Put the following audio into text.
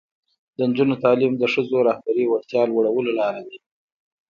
د نجونو تعلیم د ښځو رهبري وړتیا لوړولو لاره ده.